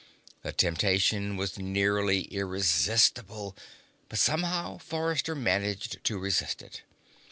The temptation was very nearly irresistible, but somehow Forrester managed to resist it.